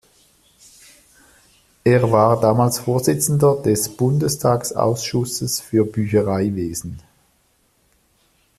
Er war damals Vorsitzender des Bundestagsausschusses für Büchereiwesen.